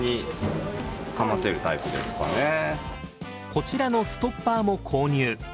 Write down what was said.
こちらのストッパーも購入。